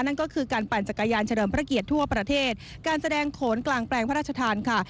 นั่นก็คือการปั่นจักรยานเฉลิมพระเกียรติทั่วประเทศการแสดงโขนกลางแปลงพระราชทานค่ะ